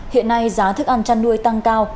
hiện nay giá thức ăn chăn nuôi tăng cao